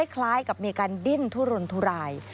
คล้ายกับมีการดิ้นทุรนทุราย